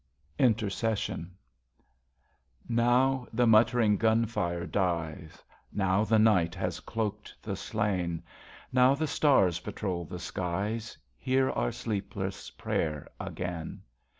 76 INTERCESSION Now the muttering gun fire dies, Now the night has cloaked the slain, Now the stars patrol the skies, Hear our sleepless prayer again